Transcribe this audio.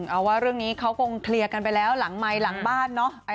เอาว่าเรื่องนี้เขาคงเคลียร์กันไปแล้วหลังไมค์หลังบ้านเนอะ